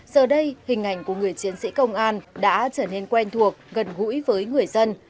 giờ đây hình ảnh của người chiến sĩ công an đã trở nên quen thuộc gần gũi với người dân